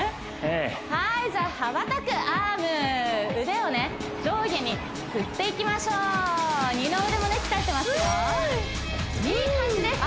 はいじゃあ羽ばたくアーム腕を上下に振っていきましょう二の腕も鍛えてますよいい感じです